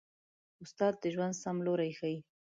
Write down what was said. استاد د ژوند سم لوری ښيي.